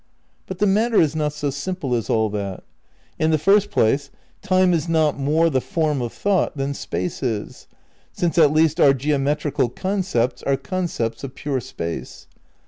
But the matter is not so simple as all that. In the first place, time is not more the form of thought than space is, since at least our geometrical concepts are concepts of pure space.